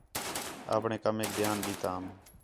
اپݨے کمیک دھیان ڈیتام